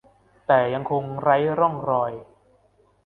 แต่ยังคงไร้ร่องรอย